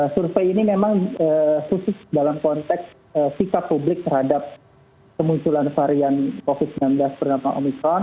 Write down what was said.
survei ini memang khusus dalam konteks sikap publik terhadap kemunculan varian covid sembilan belas bernama omikron